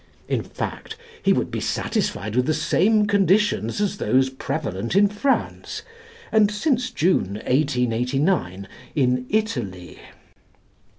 In fact he would be satisfied with the same conditions as those prevalent in France, and since June, 1889, in Italy.